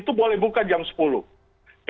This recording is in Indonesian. hewa menggunakan judul under